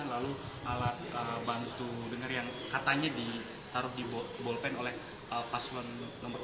lalu alat bantu denger yang katanya ditaruh di bolpen oleh pasuan nomor sebelas